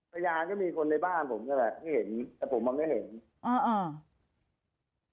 พยานก็มีคนในบ้านผมก็แหละไม่เห็นแต่ผมอ่ะไม่เห็นอ่าอ่า